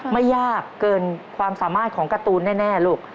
ไม่ยากเกินความสามารถของการ์ตูนแน่ลูก